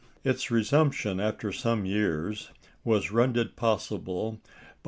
Its resumption, after some years, was rendered possible by M.